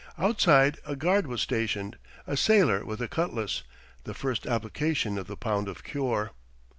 Outside a guard was stationed, a sailor with a cutlass: the first application of the pound of cure!